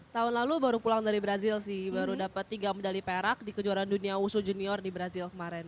tahun lalu baru pulang dari brazil sih baru dapat tiga medali perak di kejuaraan dunia wusu junior di brazil kemarin